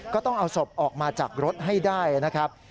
ก็ต้องเอาศพออกมาจากรถให้ได้นะครับ